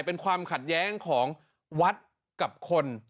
เป็นความขัดแย้งของวัดกับคน